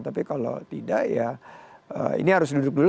tapi kalau tidak ya ini harus duduk dulu